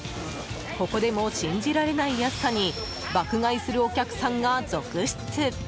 ここでも、信じられない安さに爆買いするお客さんが続出。